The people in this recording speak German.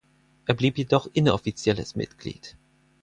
Er blieb jedoch inoffizielles Mitglied.